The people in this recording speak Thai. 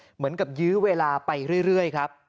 เหมือนกับยื้อเวลาไปเรื่อยครับ